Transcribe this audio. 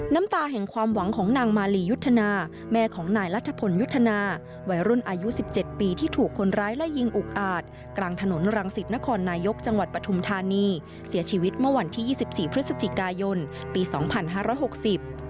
น้ำตาแห่งความหวังของนางมาลียุทธนาแม่ของนายรัฐพลยุทธนาวัยรุ่นอายุสิบเจ็ดปีที่ถูกคนร้ายไล่ยิงอุกอาจกลางถนนรังสิตนครนายกจังหวัดปฐุมธานีเสียชีวิตเมื่อวันที่ยี่สิบสี่พฤศจิกายนปีสองพันห้าร้อยหกสิบ